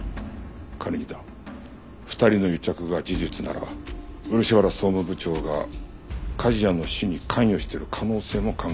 仮にだ２人の癒着が事実なら漆原総務部長が梶谷の死に関与してる可能性も考えられる。